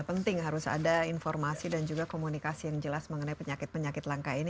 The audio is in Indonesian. penting harus ada informasi dan juga komunikasi yang jelas mengenai penyakit penyakit langka ini